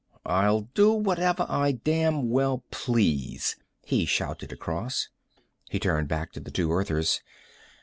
"I'll do whatever I damn well please," he shouted across. He turned back to the two Earthers.